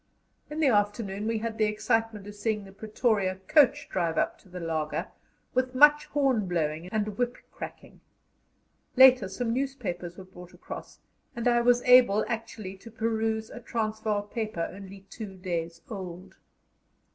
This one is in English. In the afternoon we had the excitement of seeing the Pretoria coach drive up to the laager with much horn blowing and whip cracking. Later some newspapers were brought across, and I was able actually to peruse a Transvaal paper only two days old.